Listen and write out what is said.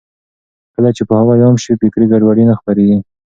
کله چې پوهاوی عام شي، فکري ګډوډي نه خپرېږي.